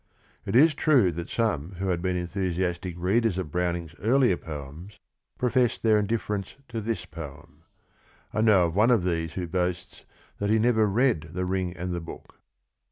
It is true that some who had been enthusiastic readers of Browning's earlier poems professed their indiffer ence to this poem. I know of one of these who boasts that he never read The Ring and the Book.